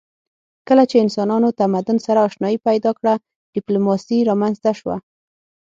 کله چې انسانانو تمدن سره آشنايي پیدا کړه ډیپلوماسي رامنځته شوه